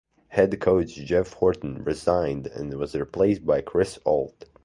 Head coach Jeff Horton resigned and was replaced by Chris Ault.